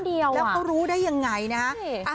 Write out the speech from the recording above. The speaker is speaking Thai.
แล้วก็รู้ได้อย่างไรนะ